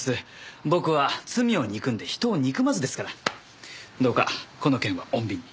僕は罪を憎んで人を憎まずですからどうかこの件は穏便に。